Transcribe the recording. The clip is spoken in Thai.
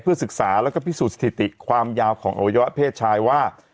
ศึกษาแล้วก็พิสูจน์สถิติความยาวของอวัยวะเพศชายว่า